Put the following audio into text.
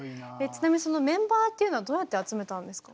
ちなみにそのメンバーっていうのはどうやって集めたんですか？